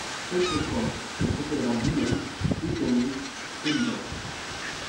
Faute de quoi, il procédera lui-même, hic et nunc…" Gaudiband.